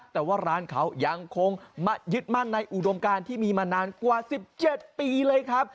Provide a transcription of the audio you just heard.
แต่ว่าร้านเขายังคงยึดมั่นในอุดมการที่มีมานานกว่า๑๗ปีเลยครับ